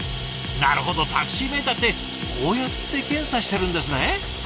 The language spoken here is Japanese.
なるほどタクシーメーターってこうやって検査してるんですね。